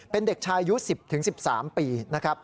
เป็นเด็กชายอายุ๑๐๑๓ปีนะครับ